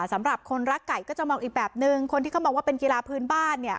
สำหรับคนรักไก่ก็จะมองอีกแบบนึงคนที่เขามองว่าเป็นกีฬาพื้นบ้านเนี่ย